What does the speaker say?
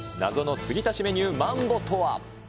謎の継ぎ足しメニュー、マンボとは。